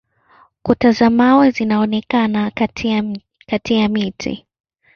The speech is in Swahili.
Kuta za mawe zinaonekana kati ya miti.